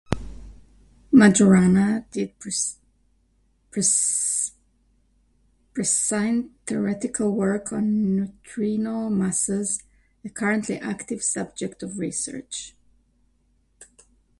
Majorana did prescient theoretical work on neutrino masses, a currently active subject of research.